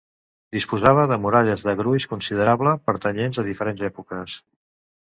Disposava de muralles de gruix considerable, pertanyents a diferents èpoques.